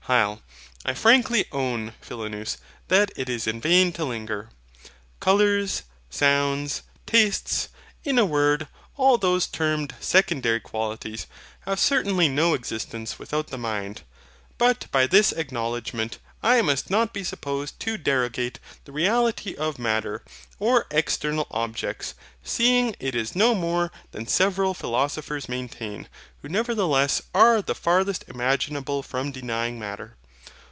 HYL. I frankly own, Philonous, that it is in vain to longer. Colours, sounds, tastes, in a word all those termed SECONDARY QUALITIES, have certainly no existence without the mind. But by this acknowledgment I must not be supposed to derogate, the reality of Matter, or external objects; seeing it is no more than several philosophers maintain, who nevertheless are the farthest imaginable from denying Matter.